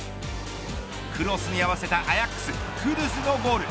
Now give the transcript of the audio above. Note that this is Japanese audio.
クロスに合わせたアヤックスクドゥスのゴール。